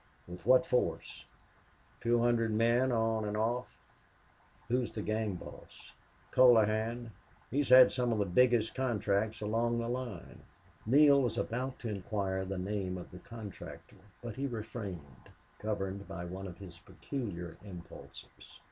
"With what force?" "Two hundred men on and off." "Who's the gang boss?" "Colohan. He's had some of the biggest contracts along the line." Neale was about to inquire the name of the contractor, but he refrained, governed by one of his peculiar impulses.